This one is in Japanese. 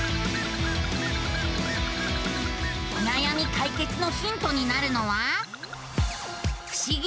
おなやみ解決のヒントになるのは。